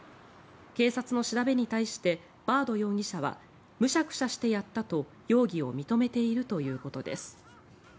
警察の調べに対してバード容疑者はむしゃくしゃしてやったと容疑を認めているということです。